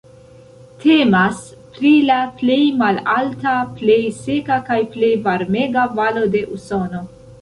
Temas pri la plej malalta, plej seka kaj plej varmega valo de Usono.